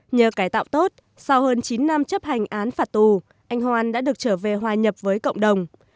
nhờ cải tạo tốt sau hơn chín năm chấp hành án phạt tù anh hoan đã được trở về hòa nhập với cộng đồng